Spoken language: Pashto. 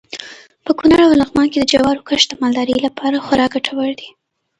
په کونړ او لغمان کې د جوارو کښت د مالدارۍ لپاره خورا ګټور دی.